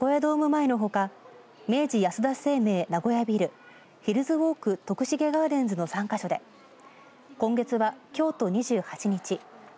前のほか明治安田生命名古屋ビルヒルズウォーク徳重ガーデンズの３か所で今月は、きょうと２８日